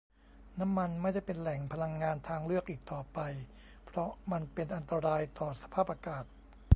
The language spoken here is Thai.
น้ำมันไม่ได้เป็นแหล่งพลังงานทางเลือกอีกต่อไป เพราะมันเป็นอันตรายต่อสภาพอากาศ